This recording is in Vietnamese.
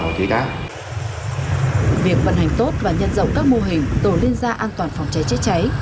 việc vận hành tốt và nhân rộng các mô hình tổ liên gia an toàn phòng cháy chữa cháy